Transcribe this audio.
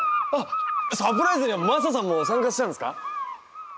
サプライズにはマサさんも参加してたんですか？